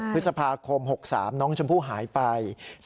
พฤษภาคม๖๓น้องชมพู่หายไป